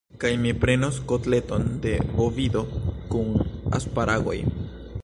Kaj mi prenos kotleton de bovido kun asparagoj.